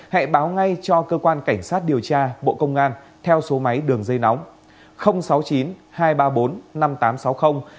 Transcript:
hãy báo ngay cho cơ quan cảnh sát điều tra bộ công an theo số máy đường dây nóng